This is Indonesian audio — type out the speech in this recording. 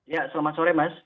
ya selamat sore mas